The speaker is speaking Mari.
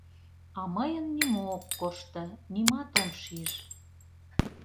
А мыйын нимо ок коршто, нимат ом шиж.